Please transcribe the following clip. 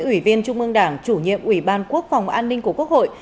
ủy viên trung ương đảng chủ nhiệm ủy ban quốc phòng an ninh của quốc hội